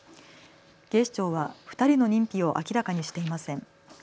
警視庁は２人の認否を明らかにしていません。